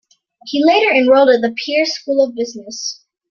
He later enrolled at the Peirce School of Business.